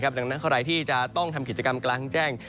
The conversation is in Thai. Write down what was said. ดังนั้นใครที่จะต้องทำกิจกรรมกลางแจ้ง